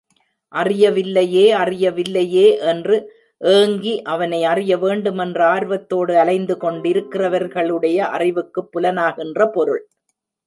அறியவில்லையே, அறியவில்லையே என்று ஏங்கி அவனை அறிய வேண்டுமென்ற ஆர்வத்தோடு அலைந்து கொண்டிருக்கிறவர்களுடைய அறிவுக்குப் புலனாகின்ற பொருள்.